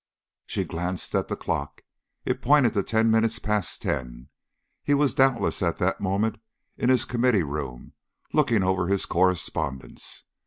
She glanced at the clock; it pointed to ten minutes past ten. He was doubtless at that moment in his Committee Room looking over his correspondence.